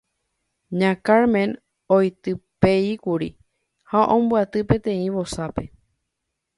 Ña Carmen oitypeíkuri ha ombyatypa peteĩ vosápe.